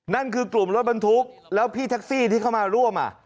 นั่นคือกลุ่มรถบรรทุกแล้วพี่แท็กซี่ที่เข้ามาร่วม